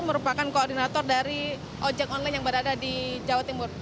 merupakan koordinator dari ojek online yang berada di jawa timur